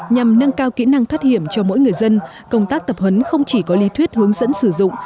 nhằm nâng cao kỹ năng thoát hiểm cho mỗi người dân công tác tập huấn không chỉ có lý thuyết hướng dẫn sử dụng